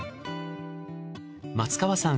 松川さん